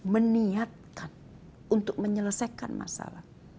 meniatkan untuk menyelesaikan masalah